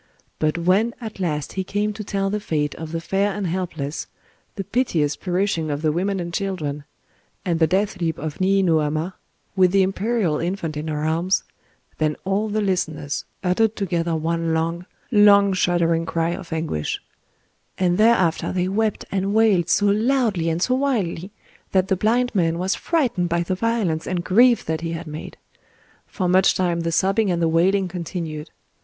But when at last he came to tell the fate of the fair and helpless,—the piteous perishing of the women and children,—and the death leap of Nii no Ama, with the imperial infant in her arms,—then all the listeners uttered together one long, long shuddering cry of anguish; and thereafter they wept and wailed so loudly and so wildly that the blind man was frightened by the violence and grief that he had made. For much time the sobbing and the wailing continued.